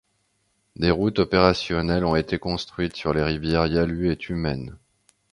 Des routes opérationnelles ont été construites sur les rivières Yalu et Tumen.